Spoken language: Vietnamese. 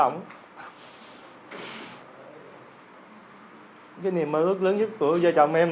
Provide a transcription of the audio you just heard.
niềm mơ ước lớn nhất của vợ chồng em